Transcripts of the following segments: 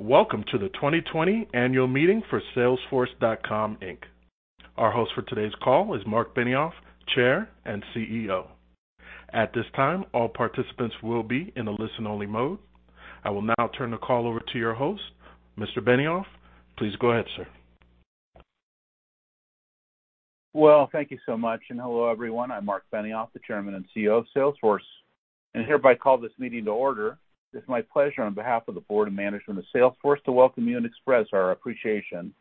Welcome to the 2020 annual meeting for salesforce.com, Inc. Our host for today's call is Marc Benioff, Chair and CEO. At this time, all participants will be in a listen-only mode. I will now turn the call over to your host, Mr. Benioff. Please go ahead, sir. Well, thank you so much, and hello, everyone. I'm Marc Benioff, the Chairman and CEO of Salesforce, and hereby call this meeting to order. It's my pleasure, on behalf of the board and management of Salesforce, to welcome you and express our appreciation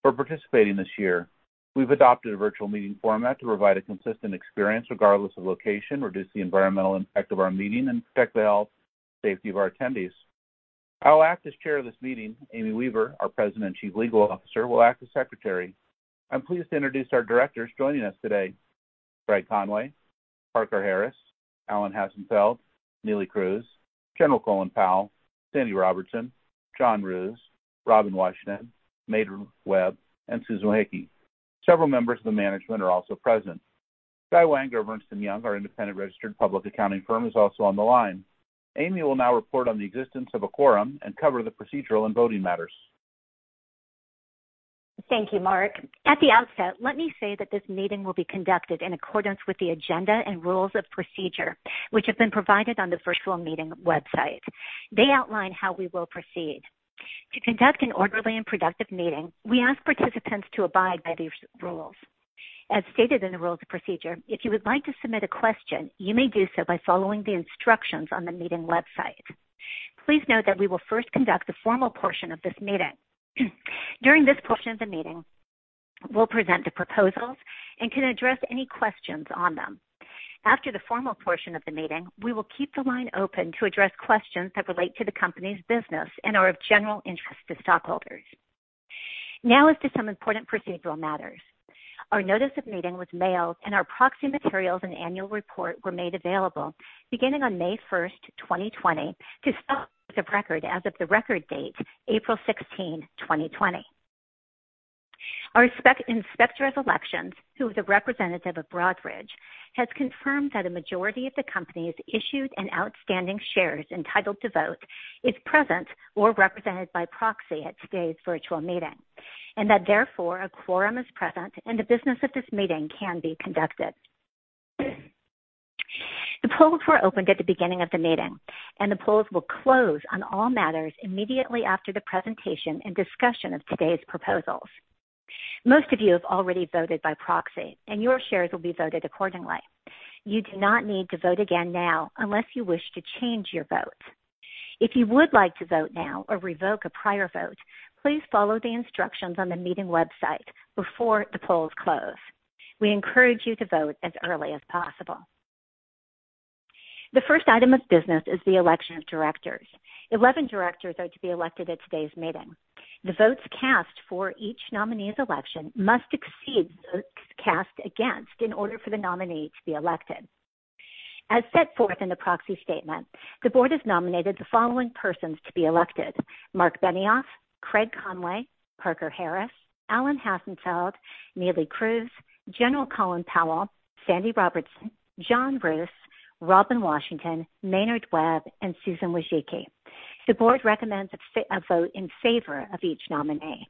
for participating this year. We've adopted a virtual meeting format to provide a consistent experience regardless of location, reduce the environmental impact of our meeting, and protect the health and safety of our attendees. I will act as chair of this meeting. Amy Weaver, our President and Chief Legal Officer, will act as secretary. I'm pleased to introduce our directors joining us today. Craig Conway, Parker Harris, Alan Hassenfeld, Neelie Kroes, General Colin Powell, Sandy Robertson, John Roos, Robin Washington, Maynard Webb, and Susan Wojcicki. Several members of the management are also present. Guy Wang of Ernst & Young, our independent registered public accounting firm, is also on the line. Amy will now report on the existence of a quorum and cover the procedural and voting matters. Thank you, Marc. At the outset, let me say that this meeting will be conducted in accordance with the agenda and rules of procedure, which have been provided on the virtual meeting website. They outline how we will proceed. To conduct an orderly and productive meeting, we ask participants to abide by these rules. As stated in the rules of procedure, if you would like to submit a question, you may do so by following the instructions on the meeting website. Please note that we will first conduct the formal portion of this meeting. During this portion of the meeting, we'll present the proposals and can address any questions on them. After the formal portion of the meeting, we will keep the line open to address questions that relate to the company's business and are of general interest to stockholders. As to some important procedural matters. Our notice of meeting was mailed, and our proxy materials and annual report were made available beginning on May 1st, 2020, to stockholders of record as of the record date, April 16, 2020. Our Inspector of Elections, who is a representative of Broadridge, has confirmed that a majority of the company's issued and outstanding shares entitled to vote is present or represented by proxy at today's virtual meeting, and that therefore, a quorum is present and the business of this meeting can be conducted. The polls were opened at the beginning of the meeting, and the polls will close on all matters immediately after the presentation and discussion of today's proposals. Most of you have already voted by proxy, and your shares will be voted accordingly. You do not need to vote again now unless you wish to change your vote. If you would like to vote now or revoke a prior vote, please follow the instructions on the meeting website before the polls close. We encourage you to vote as early as possible. The first item of business is the election of directors. 11 directors are to be elected at today's meeting. The votes cast for each nominee's election must exceed votes cast against in order for the nominee to be elected. As set forth in the proxy statement, the board has nominated the following persons to be elected: Marc Benioff, Craig Conway, Parker Harris, Alan Hassenfeld, Neelie Kroes, General Colin Powell, Sandy Robertson, John Roos, Robin Washington, Maynard Webb, and Susan Wojcicki. The board recommends a vote in favor of each nominee.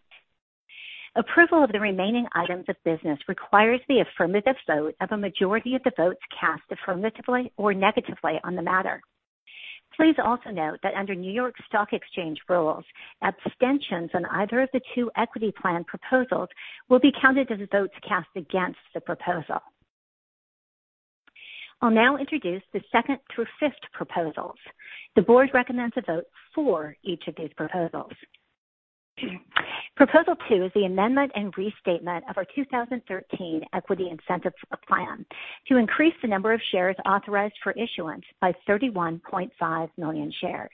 Approval of the remaining items of business requires the affirmative vote of a majority of the votes cast affirmatively or negatively on the matter. Please also note that under New York Stock Exchange rules, abstentions on either of the two equity plan proposals will be counted as votes cast against the proposal. I'll now introduce the second through fifth proposals. The board recommends a vote for each of these proposals. Proposal 2 is the amendment and restatement of our 2013 Equity Incentive Plan to increase the number of shares authorized for issuance by 31.5 million shares.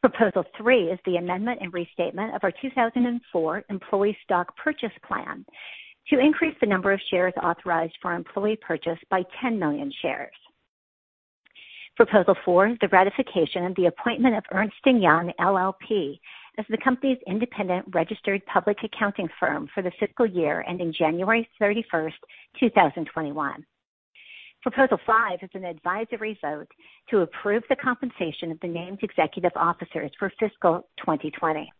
Proposal 3 is the amendment and restatement of our 2004 Employee Stock Purchase Plan to increase the number of shares authorized for employee purchase by 10 million shares. Proposal 4, the ratification of the appointment of Ernst & Young LLP as the company's independent registered public accounting firm for the fiscal year ending January 31st, 2021. Proposal 5 is an advisory vote to approve the compensation of the named executive officers for fiscal 2020.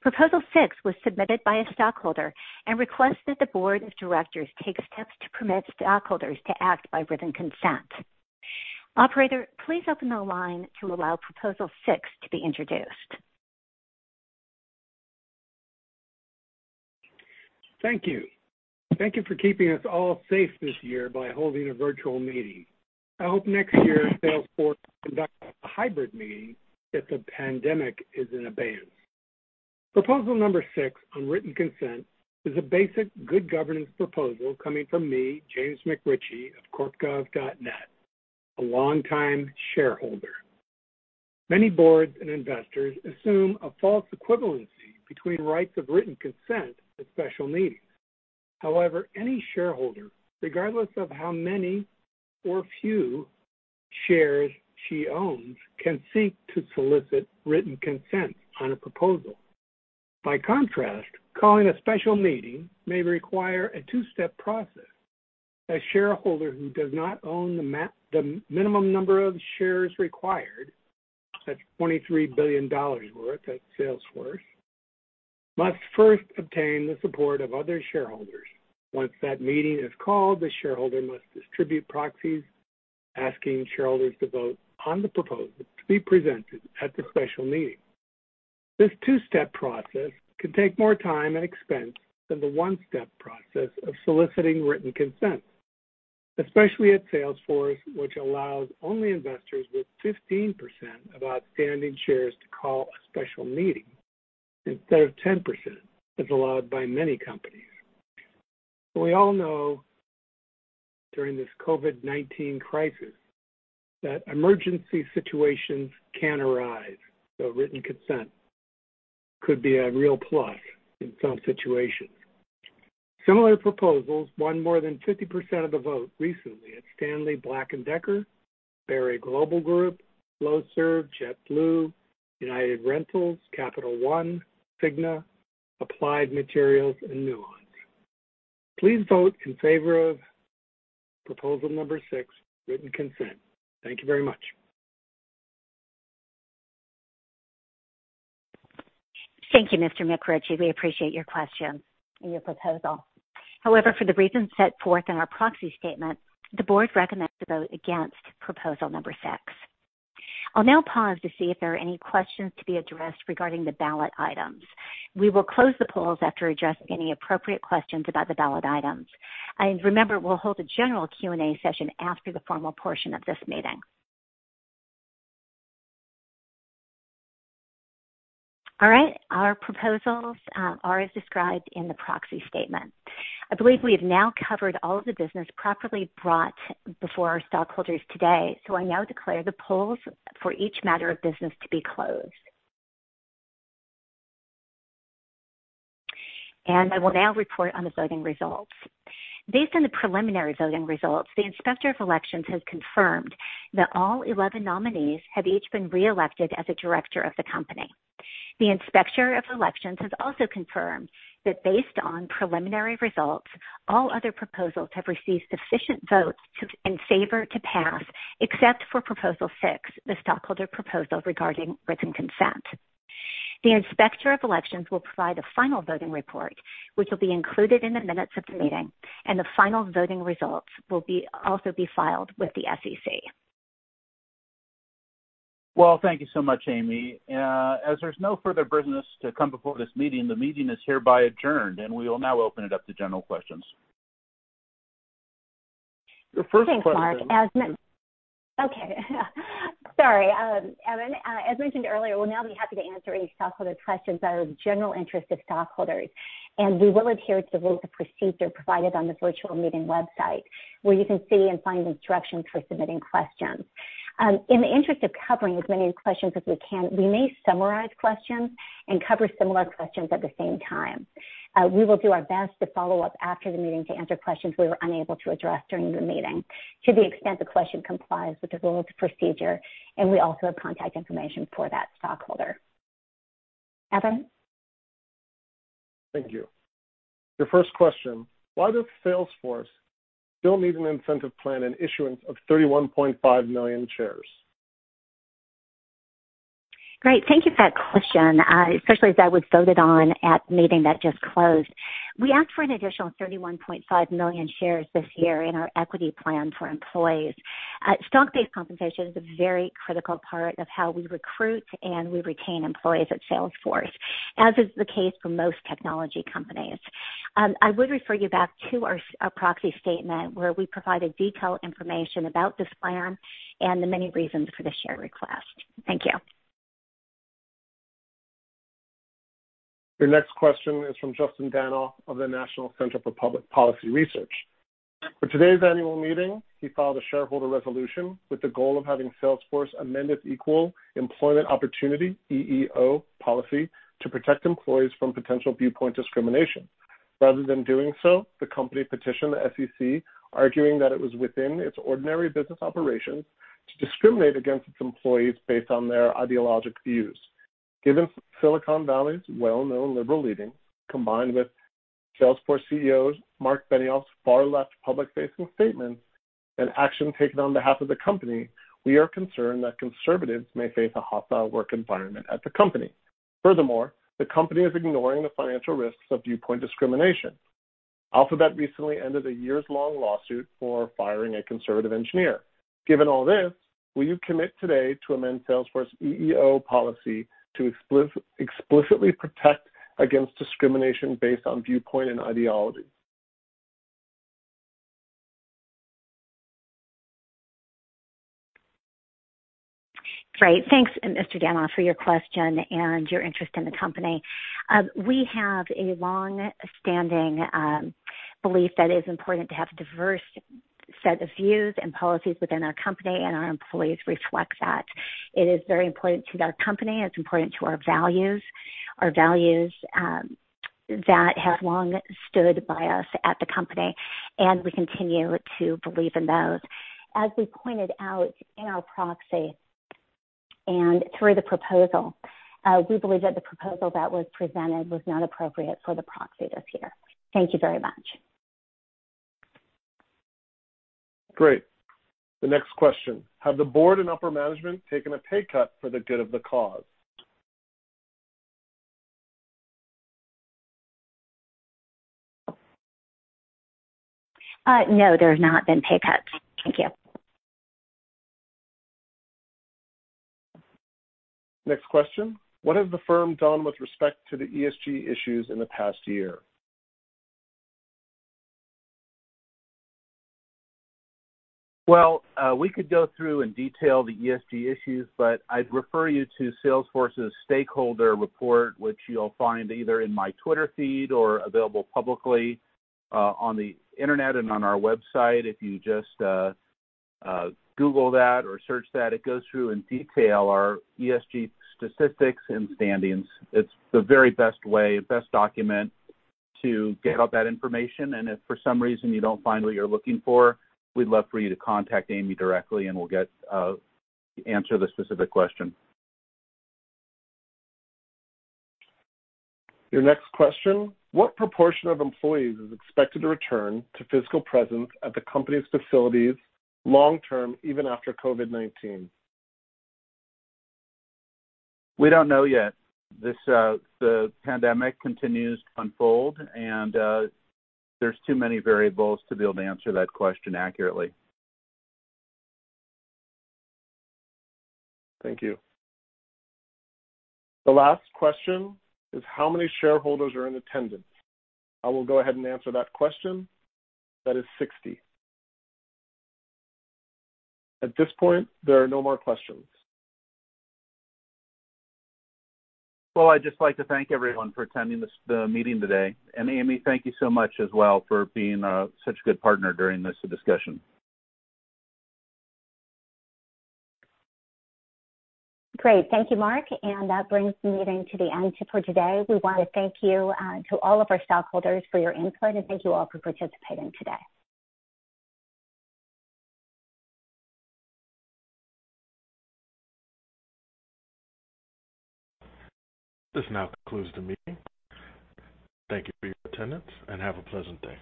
Proposal 6 was submitted by a stockholder and requests that the board of directors take steps to permit stockholders to act by written consent. Operator, please open the line to allow proposal 6 to be introduced. Thank you. Thank you for keeping us all safe this year by holding a virtual meeting. I hope next year, Salesforce conducts a hybrid meeting if the pandemic is in abeyance. Proposal number 6 on written consent is a basic good governance proposal coming from me, James McRitchie of CorpGov.net, a longtime shareholder. Many boards and investors assume a false equivalency between rights of written consent at special meetings. However, any shareholder, regardless of how many or few shares she owns, can seek to solicit written consent on a proposal. By contrast, calling a special meeting may require a two-step process. A shareholder who does not own the minimum number of shares required, that's $23 billion worth at Salesforce, must first obtain the support of other shareholders. Once that meeting is called, the shareholder must distribute proxies asking shareholders to vote on the proposal to be presented at the special meeting. This two-step process can take more time and expense than the one-step process of soliciting written consent, especially at Salesforce, which allows only investors with 15% of outstanding shares to call a special meeting instead of 10%, as allowed by many companies. We all know during this COVID-19 crisis that emergency situations can arise, so written consent could be a real plus in some situations. Similar proposals won more than 50% of the vote recently at Stanley Black & Decker, Berry Global Group, Flowserve, JetBlue, United Rentals, Capital One, Cigna, Applied Materials, and Nuance. Please vote in favor of proposal number 6, written consent. Thank you very much. Thank you, Mr. McRitchie. We appreciate your question and your proposal. However, for the reasons set forth in our proxy statement, the board recommends to vote against proposal number 6. I'll now pause to see if there are any questions to be addressed regarding the ballot items. We will close the polls after addressing any appropriate questions about the ballot items. Remember, we'll hold a general Q&A session after the formal portion of this meeting. All right. Our proposals are as described in the proxy statement. I believe we have now covered all of the business properly brought before our stockholders today. I now declare the polls for each matter of business to be closed. I will now report on the voting results. Based on the preliminary voting results, the Inspector of Elections has confirmed that all 11 nominees have each been reelected as a director of the company. The Inspector of Elections has also confirmed that based on preliminary results, all other proposals have received sufficient votes in favor to pass, except for proposal 6, the stockholder proposal regarding written consent. The Inspector of Elections will provide a final voting report, which will be included in the minutes of the meeting, and the final voting results will also be filed with the SEC. Well, thank you so much, Amy. As there's no further business to come before this meeting, the meeting is hereby adjourned. We will now open it up to general questions. Thanks, Marc. Okay. Sorry, Evan. As mentioned earlier, we will now be happy to answer any stockholder questions that are of general interest of stockholders, and we will adhere to the rules of procedure provided on the virtual meeting website, where you can see and find instructions for submitting questions. In the interest of covering as many questions as we can, we may summarize questions and cover similar questions at the same time. We will do our best to follow up after the meeting to answer questions we were unable to address during the meeting to the extent the question complies with the rules of procedure, and we also have contact information for that stockholder. Evan? Thank you. The first question: Why does Salesforce still need an incentive plan and issuance of 31.5 million shares? Great. Thank you for that question, especially as that was voted on at the meeting that just closed. We asked for an additional 31.5 million shares this year in our equity plan for employees. Stock-based compensation is a very critical part of how we recruit and we retain employees at Salesforce, as is the case for most technology companies. I would refer you back to our proxy statement where we provided detailed information about this plan and the many reasons for the share request. Thank you. Your next question is from Justin Danhof of the National Center for Public Policy Research. For today's annual meeting, he filed a shareholder resolution with the goal of having Salesforce amend its Equal Employment Opportunity, EEO, policy to protect employees from potential viewpoint discrimination. Rather than doing so, the company petitioned the SEC, arguing that it was within its ordinary business operations to discriminate against its employees based on their ideological views. Given Silicon Valley's well-known liberal leaning, combined with Salesforce CEO Marc Benioff's far-left public-facing statements and action taken on behalf of the company, we are concerned that conservatives may face a hostile work environment at the company. Furthermore, the company is ignoring the financial risks of viewpoint discrimination. Alphabet recently ended a years-long lawsuit for firing a conservative engineer. Given all this, will you commit today to amend Salesforce EEO policy to explicitly protect against discrimination based on viewpoint and ideology? Great. Thanks, Mr. Danhof, for your question and your interest in the company. We have a long-standing belief that it is important to have a diverse set of views and policies within our company, and our employees reflect that. It is very important to our company. It's important to our values. Our values that have long stood by us at the company, and we continue to believe in those. As we pointed out in our proxy and through the proposal, we believe that the proposal that was presented was not appropriate for the proxy this year. Thank you very much. Great. The next question: have the board and upper management taken a pay cut for the good of the cause? No, there's not been pay cuts. Thank you. Next question: what has the firm done with respect to the ESG issues in the past year? We could go through in detail the ESG issues, but I'd refer you to Salesforce's stakeholder report, which you'll find either in my Twitter feed or available publicly on the internet and on our website. If you just Google that or search that, it goes through in detail our ESG statistics and standings. It's the very best way, best document to get all that information. If for some reason you don't find what you're looking for, we'd love for you to contact Amy directly, and we'll get answer the specific question. Your next question: what proportion of employees is expected to return to physical presence at the company's facilities long term, even after COVID-19? We don't know yet. The pandemic continues to unfold, and there's too many variables to be able to answer that question accurately. Thank you. The last question is: how many shareholders are in attendance? I will go ahead and answer that question. That is 60. At this point, there are no more questions. Well, I'd just like to thank everyone for attending the meeting today. Amy, thank you so much as well for being such a good partner during this discussion. Great. Thank you, Marc. That brings the meeting to the end for today. We want to thank you to all of our stockholders for your input, and thank you all for participating today. This now concludes the meeting. Thank you for your attendance, and have a pleasant day.